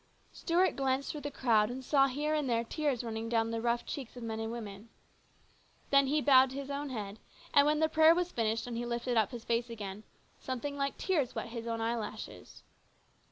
Stuart glanced through the crowd, and saw here and there tears running down rough cheeks of men and women. Then he bowed his own head, and when the prayer was finished and he lifted up his face again, something like tears wet his own eyelashes.